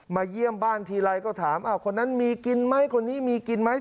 เยี่ยมบ้านทีไรก็ถามคนนั้นมีกินไหมคนนี้มีกินไหม